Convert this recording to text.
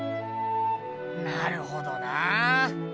なるほどなあ。